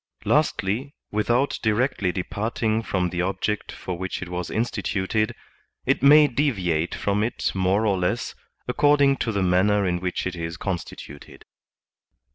Lastly, without directly departing from the object for which it was instituted, it may deviate from it more or less, according to the manner in which it is constituted.